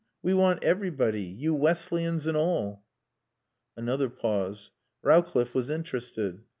We want everybody. You Wesleyans and all." Another pause. Rowcliffe was interested.